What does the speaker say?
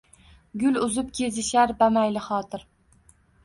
Gul uzib kezishar bamaylixotir.